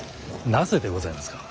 なぜでございますか。